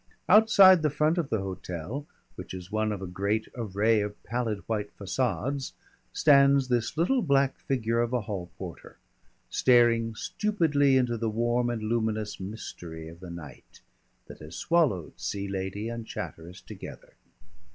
Outside the front of the hotel, which is one of a great array of pallid white facades, stands this little black figure of a hall porter, staring stupidly into the warm and luminous mystery of the night that has swallowed Sea Lady and Chatteris together.